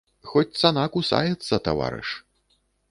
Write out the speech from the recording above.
Хоць цана кусаецца, таварыш.